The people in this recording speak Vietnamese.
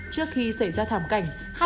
trước khi xảy ra thảm cảnh